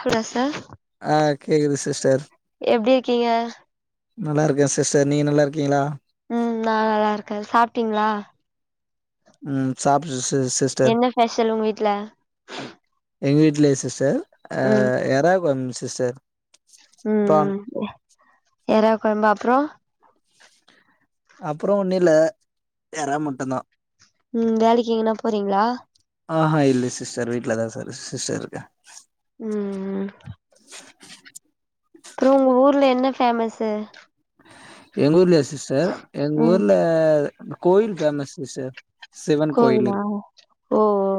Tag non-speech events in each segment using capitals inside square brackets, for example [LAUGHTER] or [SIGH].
Hello sir ஆ கேக்குது sister எப்படி இருக்கீங்க நல்லா இருக்கேன் சிஸ்டர் நீங்க நல்லா இருக்கீங்களா உம் நான் நல்லா இருக்கேன் சாப்பிட்டீங்களா உம் சாப்டே சிஸ் என்ன ஸ்ஃபெஷல் உங்க வீட்டு்ல எங்கள் வீட்டு லயா சிஸ்டர் அஹ் யராகுழம் சிஸ் சிஸ்டர் ப்ரான் உம் உம் யரா கொழம்பா அப்றம் அப்புறம் ஒன்னில எறா மட்டும்தான் உம் வேலைக்கு எங்கன்னா போறீங்களா ஆஹான் இல்லை சிஸ்டர் வீட்டில தான் சார் சிஸ்டர்ருக்கு இருக்கேன் ம் அப்புறம் உங்க ஊர்ல என்ன ஃபேமஸ் எங்க ஊர்லயா சிஸ் சிஸ்டர் எங்க ம் ஊர்ல கோயில் பேமஸ் சிஸ்டர் சிவன் கோயில் கோயிலா இருக்கு ஓஓஓ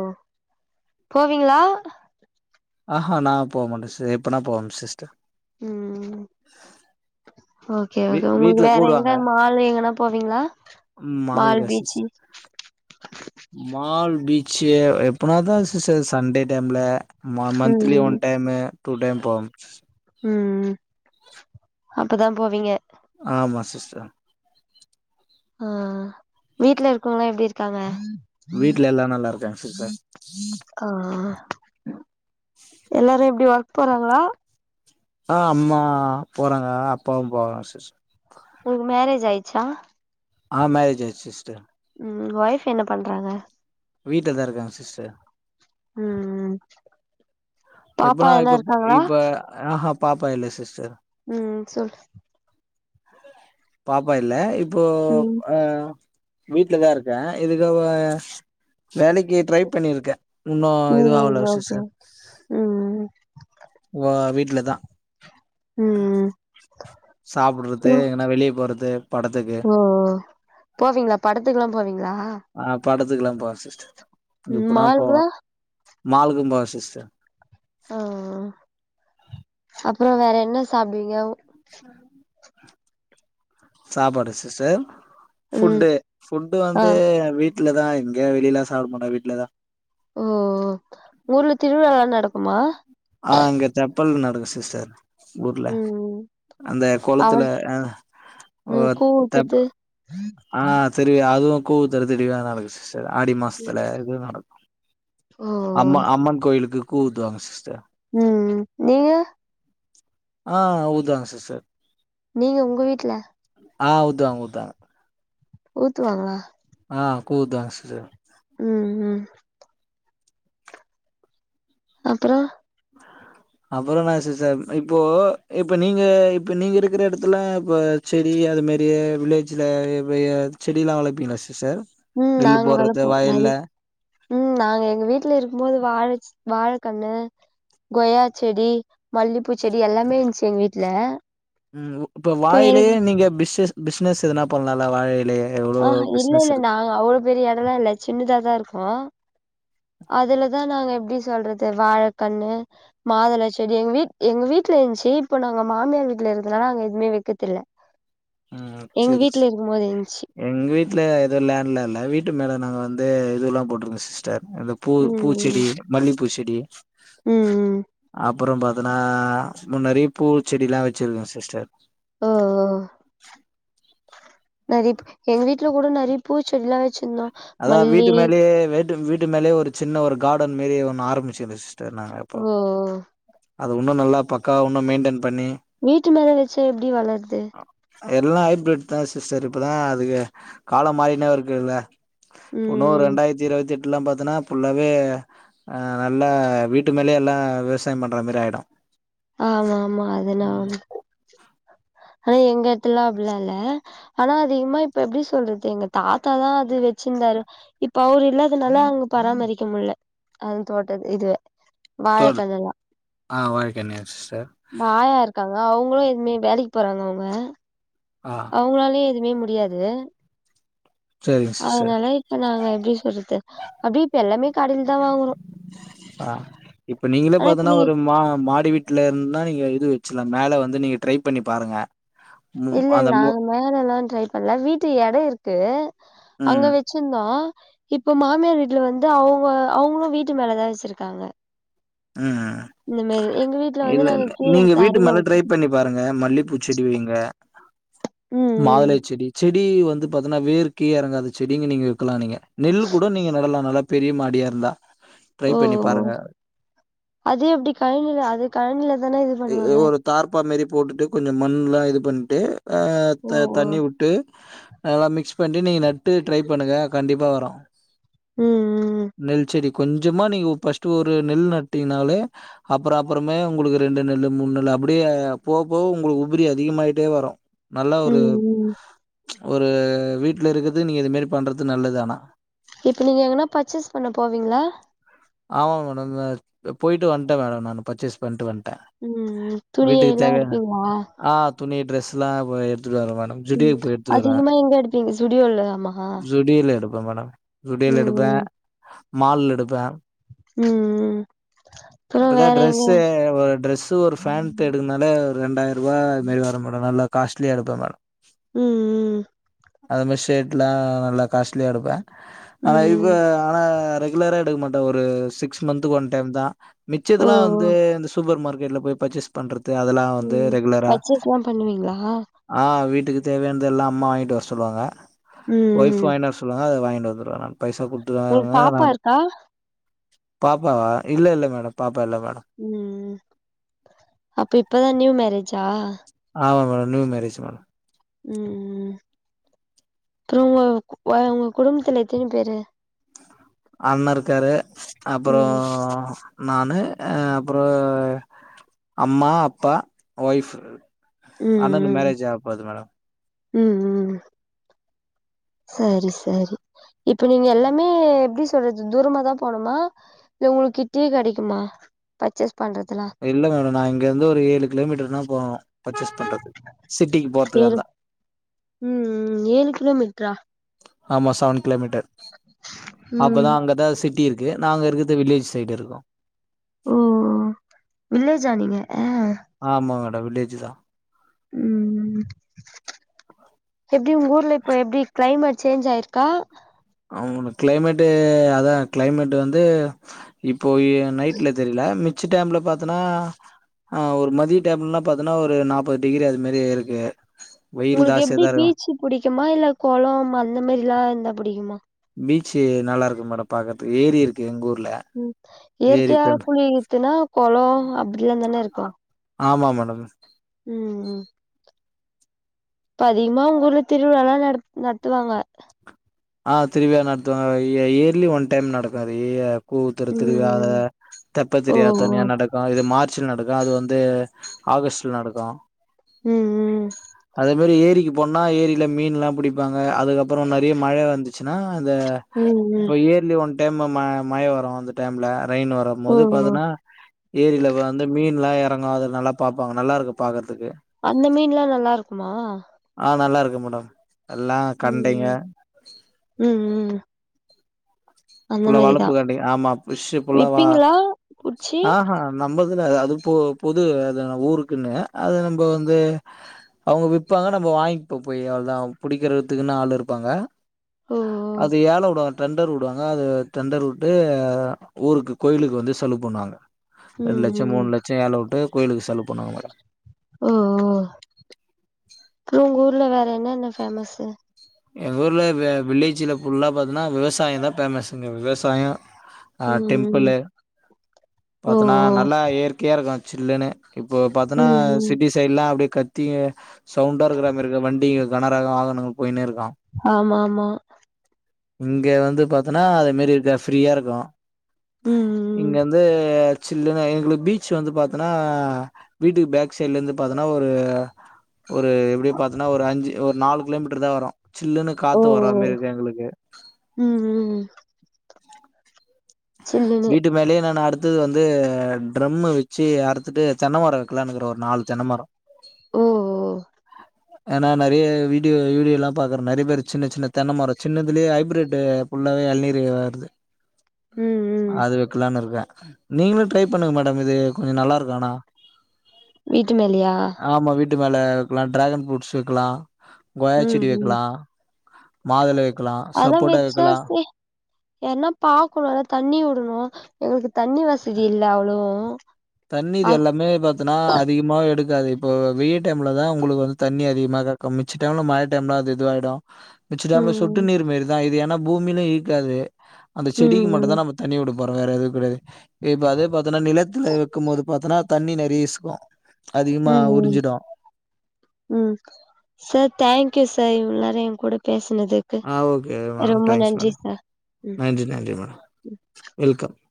போவிங்களா ஆஹான் நான் போவ மாட்டேன் சிஸ்டர் எப்பனா போவேம் சிஸ்டர் [INAUDIBLE] ம் ஓகே வீ ஓகே உங்களுக்கு வீட்ல வேற எங்க கூப்டுவாங்க மால் எங்கன்னா போவீங்களா மால் மாலுக்கா பீச்சி சிஸ்டர் சேஏ எப்பனாதான் சிஸ்டர் சண்டே டைம்ல ம மந்த்லி ம் ஒன் ம் டைம் டூ டடைம் போவம் சிஸ் உம் உம்அப்பதான் போவிங்க ஆமாம் சிஸ்டர் ஆஆஹ் வீட்டுல இருக்கவுங்க எப்படி இருக்கு இருக்காங்க வீட்டு்ல எல்லாம் நல்லா இருக்காங்க ச ச ஆஹ் எல்லாறோ எப்படி வா போறாங்ளா ஆஹ் அம்மா போறாங்க அப்பாவும் போறாங்க [UNINTELLIGIBLE] உங்ளுக்கு மேரேஜ் ஆயி ச்சா ஆஹ் மேரேஜ் ஆய்ச்சிஸ்டர் உம் ஒய்ஃப் என்ன பண்றாங்க வீட்லதா இருக்காங்க சிஸ்டர் ம் பாப்பா எபுன்னா எதனா இப்ப [UNINTELLIGIBLE] இருக்காங்களா இப்ப ஆஹா பாப்பா இல்ல சிஸ்டர் உம் சொல்லு பாப்பா இல்ல இ இப்போ ம் அ வீட்லதா இருக்கே இதுக்கவ வேலக்கு ட்ரை பண்ணிருக்கே இன்னோ ம் இதுவாவல ஓகே சிஸ்டர் ம் [UNINTELLIGIBLE] தான் உம் சாப்புட்றது உம் எங்கன்னா வெளிய போறது படத்துக்கு ஓ போவிங்களா படத்துக்குலா போவீங் நா ஆஹ் படத்துக்கெல்லா போவே சிஸ்டர் உம் மால்க்லா மாலுகோ போவா சிஸ்டர் ஆஹ் அப்றோ வேற என்ன சாப்டுவீங்க உ [INAUDIBLE] சாப்பாடு சிஸ்டர் ம் ஃபுட்டு ஃபுட்டு ஆ வந்து வீட் வீட்டுல தா எங்கயோ வெளிலலா சாப்டமாட்டே வீட்டுல தா ஓ ஊர்ல திருவிழாலா நடக்குமா ஆ இங்க தெப்பல் நடக்கு சிஸ்டர் ஊர்ல ம் அந்த குளத்துல அஹ் உம் கூவூத்தத்து ஆஹ் திருவிழா அதுவு கூ தரு தெரியவ நாக்கஸ் ஆடி மாசத்துல இது நடக்கும் ம் கூ ஊத்துவாங்க சிஸ்டர் ம் ம்ம் நீங்க ஆ உதுவாக சிஸ்டர் நீங்க உங்க வீட்டுல ஆ உதுவாங்க உதவாங்க ஊத்துவாங்களா ஆ கூ தான் சிஸ்சர் ம் ம் அப்பறம் அப்பறம் நான சிசர் இப்போ இப்ப நீங்க இப்ப நீங்க இருக்கிற இடத்துலா இப்ப செடி அது மாதாரிய வில்லேஜ்ல செடி எல்லாம் வளர்ப்பீங்களா சிச ம் நாங்க வளப்போம் நிற உம் நாங்க எங்க வீட்டுல இருக்கும் போது வாழச்சு வாழைக்கன்னு கொயா செடி மல்லிப்பூ செடி எல்லாமே இருந்துச்சு எங்க வீட்டுல ம் இப்ப வாழைலேயே நீங்க பிசஸ் பிசினஸ் எதுனா போண்ணலா வாழை ஆ இல்ல இல்ல நா அவ்வளவு பெரிய இடம் எல்லாம் இல்ல சின்னதாதான் இருக்கோம் எப்டிக்ஷ சொல்றது வாழைக்கண்ணு மாதள செடி எங்க வீட எங்க வீட்டுல இருந்துச்சு இப்போ நாங்க மாமியார் வீட்டுல இருக்கதுனால நாங்க எதுவுமே வைக்கதல ம் செரி செரி எங்க வீட்டுல ஏதோ லேண்ட்ல இல்ல வீட்டு மேல நாங்க வந்து இதுெல்லாம் போட்டிருக்கங்க சிஸ்டர் அந்த பூ பூச்செடி ம் மல்லி பு செடி ம் ம் அப் அப்பறம் பாத்தனா முன்னிறைய பூச்செடி எல்லாம் வச்சிருக்கேன் சிஸ்டர் ஆ ஆ நரிப்பூ எங்க வீட்டுல கூட நரிப்பூ செடிலாம் வச் அதுதான் வீட்டு மேலேய வீட்டு மேலே ஒரு சின்ன ஒரு கார்டன் மாரி ஒண்ண ஆரம்பிச்சிஸ் ன்னாங்க எப்போ ஓ அது ஒன்னும் நல்லா பக்கா ஒன்னும் மெயின்டென் பண்ணி வீட்டு மேல வச்ச எப்படி வளருது எல்லாம் ஹைபிரட் தான் சிஸ்டர் இப்தான் அதுக்கு காலம் மாறினே இருக்குல்ல புனோ ம் ரெண்டாயிரத்தி இருபத்தி எட்டு பாத்தன்னா புல்லாவே நல்லா வீட்டு மேலேயே எல்லாம் விஸ் பண்ற மாதாரி ஆயிடும் ஆமா ஆமா அதுன ஆனா எங்க எடத்துலல்லா அப்டிலா இல்ல ஆனா அதிகமா இப்ப எப்டி சொல்றது எங்க தாத்தாதா அது வச்சிருந்தாரு இப்ப அவர் இல்லாதனால அங்க பராமரிக்க முடியல அந்த தோட்டத் இதுவ ஆஹ் ஒகே னா பாவா இருக்காங்க அவங்களும் இனிமே வேலைக்கு போறாங்க வா ஆஹ் அதனால இப்ப நாங்க எப்படி சொல்றது அப்படி இப்ப எல்லாமே கடையிலதா வாங்குறோ ஆஹ் இப்ப நீங்களே ஆனா இப்ப பாத்தீன்னா நீ ஒரு மா மாடி வீட்டு ல இருந்தா நீங்க இது வச்சலாம் மேல வந்து நீங்க ட்ரை பண்ணி பாருங்க ம் இல்ல அந்த மு நாங்க மேல எல்லாம் ட்ரை பண்ணல வீட்டு இடம் இருக்கு அங்க ம் வச்சிருந்தோம் இப்போ மாமியார் வீட்ல வந்து அவங்க அவங்களு வீட்டு மேலதா வச்சிருக்காங்க ம் இந்த மாரி எங்க வீட்ல வந்து இல்ல நாங்க இல்ல கீழ நீங்க வீட்டு தரைல மேல வச்சோ ட்ரை பண்ணி பாருங்க மல்லிப்பூ செடி வைங்க ம் ம் மாதுளை செடி செடி செடி வந்து பாத்தீங்கன்னா வேர் கீழ இறங்காத செடிங்க நீங்க வைக்கலாம் நீங்க நெல் கூட நீங்க நடலாம் நல்லா பெரிய மாடியா இருந்தா ட்ரை ஓ பண்ணி ஓ பாருங்க அது அப்படி கழநில அது கழநிலதானே இது பண்ணுவாங்க அப்பா மாரி போட்டுட்டு கொஞ்சம் மண்லா இது பண்ட்டு ஓ ஆஹ் ஓ தண்ணி உட்டு நல்லா மிக்ஸ் பண்ணி நீங்க நட்டு ட்ரை பண்ணுங்க கண்டிப்பா வரும் ம் ம் நெல் செடி கொஞ்சமா நீங்க ஃபர்ஸ்ட் ஒரு நெல் நட் நெட்டிகனாலே அப்பறம் அப்பறமே இரண்டு நெல்லு மூனு நெல்லு அப்படியே போகப்போ உங்களுக்கு உபரி அதிகமாயிட்டே வரும் உஹம் உம் ஒரு வீட்ல இருக்கறது நீங்க இது மாரி பண்றது நல்லது ஆனா இப்ப நீங்க எங்கனா பர்ச்சஸ் பண்ண போவீங்களா ஆமா மேடம் ந்த ஆ போயிட்டு வன்ட்டே மேடம் நா பர்ச்சேஸ் பண்ட்டு வன் உம் உம் துணிய எல்லாம் எடுப்பீங்களா இல வய எது அதிகமா எங்க எடுப்பீங்க சுடியோலாமா அதான விடியல் எடுப்பேன் மால் எடுப்பேன் ம் ம் அப்றோ இப்பதான் வேற எங்க ட்ரெஸ் ஒரு பேண்ட் எடுக்கனாலே ஆ ரெண்டாயர் ரூாதுதிர வரம்ப நல்லா [UNINTELLIGIBLE] காஸ்லி அடுப்பம் மேடம் உம் உம் அது மாரி ஷர்ட்லாம் நல்லா காஸ்ட்லியா எடுப்பேன் ஆனா இப்ப ம் ம் ஆனா ரெகுலரா எடுக்க மாட்டே ஒரு சிக் சிக்ஸ் மன்த்க்கு ஒன் டைம் தா ஓ மிச்சதெல்லாம் வந்து ஓ இந்த சூப்பர் மார்கெட் நேர்ல போய் பர்சஸ் பண்றது அதல்லாம் வந்து ம் ரெகுலரா பர்ச்சேஸ்லா பண்ணுவீங்களா ஆஹ வீட்டு வீட்டுக்கு தேவையானது எல்லா அம்மா வாங்கிட்டு வர சொல்லுவாங்க ஒய்ஃப் வாங்கின்டு சொல்லுவாங்க அது வாங்கி நதுர ஒங்கு பாப்பா இருக்கா பாப்பவா இல்ல இல்ல மேடம் பாப்ப உம் அப்ப இப்பதான் நியூ மேரேஜா ஆமா மேடம் நியூ மேரேஜ் மேடம் உம் அப்புறம் உங்க உங்க குடும்பத்துல எத்தன பேரு அண்ண இருக்காரு ம் அப்புறம் நானு அப்புறம் அம்மா அப்பா ஒய்ஃப் அண்ணனுக்கு ம் ம் மேரேஜ் ஆக போது மேடம் ம் ம் சரி சரி இப்ப நீங்க எல்லாமே எப்படி சொல்றது தூரமா தான் போணுமா இல்ல உங்க கிட்டயே கிடைக்குமா பர்ச்சஸ் இல்ல மேடம் நா இங்க இருந்து ஒரு ஏழு கிலோமீட்டர்னா போவே உம் உம் ஏழு கிலோமீட்டரா ஆமா சவன் கிலோமீட்டர் ம் அப்பதா அங்கதா சிட்டி இருக்கு நாங்க இருக்கது வில்லேஜ் சைடு இருக்கோம் ஓ ஓ வில்லேஜா நீங்க ஆமா மேடம் வில்லேஜ் தா உம் எப்படி உங்க ஊர்ல இப்ப எப்படி கிளைமட் சேஞ்சு ஆயிருக்கா ஆமா மேடம் கிளைமட்டு அதா கிளைமட்டு வந்து இப்ப நைட்ல தெரியல மிச்ச டைம்ல பார்த்தனா ஒரு மதிய டைம்ல பார்த்தனா ஒரு நாற்பது டிகிரி அது மாரி இருக்கு வெயில் உங்களுக்கு ஜாஸ்தியா எப்படி தா இருக்கு பீச்சு பிடிக்குமா இல்ல குளம் அந்த மாதிரி எல்லாம் இருந்த புடியும் பீச்சு நல்லா இருக்கு மேடம் பார்க்கறத்துக்கு ஏரி இருக்கு எங்க ஊர் உம் இயற்கையா குழி இருக்குன்னா குளம் அப்படிலாம் தானே இருக்கும் ஆமா மேடம் உம்உம் இப்ப அதிகமா உங்க ஊர்ள திருவிழாம் நட நடத்துவாங்க ஆஹ் திருபியா நடத்துவாங்க இயர்லி ஒன் டைம் நடக்கும்ாது கூவுத்துரு ம் திரியாத ம் தெப்ப ஓ தெரியா ஓ தனியா நடக்கு இது மார்ச் ச்சில் நடக்கு அது வந்து ஆகஸ்ட்டில் நடக்கு ம் ம் அதே மாரி ஏரிக்கு போன்னா ஏரி ல மீன்லா புடிப்பாங்க அதுக்கப்புறோ நறிய மழ வ ருந்துச்சுனா இத ம் ம் இப்ப இயர்லி ஒன் டைம் ம ம மய வரு அந்த டைம்ல ரெயின் வரும் ஓ போது ஓ பாத்தனா ஏரில வந்து மீன்லா எறங்கு அது நல்லா பாப்பாங்க நல்லாருக்கு பாக்கற் அந்த மீன்ல்லா நல்லா இருக்குமா ஆ நல்லா இருக்கு மேடம் எல்லா கண்டைங்க ம் ம் ம் ம். அந்த ஃபுல்லா மாரிதா வளப்பு கண்டி ஆமா ஃப்ரஷு ஃபுல்லா வா விப்பீங்களா புட்ச்சி ஆஹா நம்மள் அதுல அது போ பொது அ ஊருக்குன்னு அது நம்ப வந்து அவுங்க விப்பாங்க நம்ம வாங்கிப்போ போய் அவுள்தா புடிக்கறத்துக்குன்னு ஆள் இருப்பாங்க ஓ அது ஏல உடுவாங்க டெண்டர் உடுவ ஆ அது டெண்டர் வுட்டு ஊருக்கு கோயிலுக்கு வந்து செலவு பண்ணுவாங்க ஓ ம் ரெண் லட்சம் ம் மூணு லட்ச ஏலவுட்டு கோ சொல்ல போணா அப்புறம் உங்க ஊர்ல வேற என்ன என்ன்ன பேஃமசு எங்க ஊர்ல வில்லேஜ்ல ஃபுல்லா பாத்தன்னா விவசாயம் தா ஃபேமஸ் விவசாயம் ஆஹ் ம் டெம்பிள் ம் ஓ பாத்தன்னா நல்லா இயற்கையா இருக் சில்லுனு இப்போ ஓ பாத்தன்னா ம் ம் சிட்டி சைடுல்லாம் அப்படி தி சவுண்டா இருக்கிறா மாரி இருக்கு வண்டிங்க கனரக வாகனங்கள் போய் நே இருக்கு ஆம்மா ஆம்மா இங்க வந்து பாத்தன்னா அதே மாரி இருக்க ஃப்ரீயா இருக்கும் ம் இங்க ம். வந்து ச்சில்லுனு ஏங்க பீச் வந்து பாத்தன்னா வீட்டுக்கு பேக் சைட்ல இருந்து பாத்தன்னா ஒரு ஒரு எப்டி பாத்தன்னா ஒரு அஞ்சு ஒரு நாலு கிலோமீட்டர் தான் வரும் சில்லுன்னு ஓ! காத்து வற மாரி ஓ! இருக்கு எங்களுக்கு ம் ம். சில்லுன்னு. வீட்டு மேலே நான் அடுத் அது வந்து ட்ரம் வச்சு அறுத்துட்டு தென்னமரம் வைக்கலாம்னுக்கிற ஒரு நாலு தென்னமரம் ஓ ஓ ஏன்னா நெறைய வீடியோ வீடியோ எல்லாம் பாக்குறேன் நெறைய பேர் சின்ன சின்ன தென்னை மரம் சின்னதுலயே ஹபிரிட்டு ஃபுல்லாவே இழநீர் வருது ம் ம். அது வக்கலாம்னு இருக்கேன் நீங்களும் ட்ரை பண்ணுங்க மேடம் இது கொஞ்சம் நல்லா இருக்கண்ணா வீட்டு மேலயா மேல வைக்கல டிராகன் ஃரூட் வைக்கலாம் ம் ம் மாதுளை வைக்கலா அதான் சப்போட்டா வைக்கலா வச்சாசே என்ன பாக்குடா தண்ணி வுடணும் எங்களுக்கு தண்ணி வசதி இல்ல அவ்ளோ தண்ணி இது எல்லாமே பத்தனா அதிகமா எடுக் இருக்காது இப்ப வெயில் டைம்ல தான் உங்களுக்கு வந்து தண்ணி அதிகமாக மிச்ச டைம்ல மழ டைம்ல அது இதுவாயிடும் மிச்ச டைம்ல ம் சொட்டு நீர் மாரிதான் இது ஏன்னா பூமிலும் இய்க்காது அந்தச் ம் செடிக்கு மட்டும் ம். தான் நம்ம தண்ணி கொடுக் போற வேறு எது கெடையாது இப்ப அதே பாத்தேன்னா நிலத்துல அது பாத்தனா தண்ணி நெறைய இசுக்கும் ம் ம் ம் சார் தேங்க்யூ சாயூ இள்ளாரே என் கூட பேஸ் ஆ okay madam thanks madam sir. ம். நன்றி நன்றி மேடம் வெல்கம்